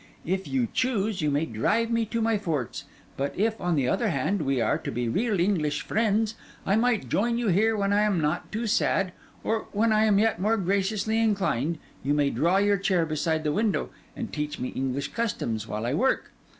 If you choose, you may drive me to my forts; but if, on the other hand, we are to be real English friends, I may join you here when I am not too sad; or, when I am yet more graciously inclined, you may draw your chair beside the window and teach me English customs, while I work.